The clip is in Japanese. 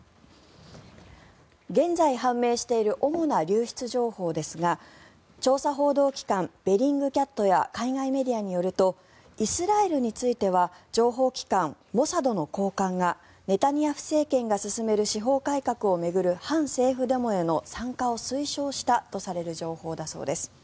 現在判明している主な流出情報ですが調査報道機関ベリングキャットや海外メディアによるとイスラエルについては情報機関、モサドの高官がネタニヤフ政権が進める司法改革を巡る反政府デモへの参加を推奨したとされる情報だそうです。